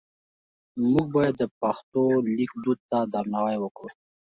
موږ باید د پښتو لیک دود ته درناوی وکړو.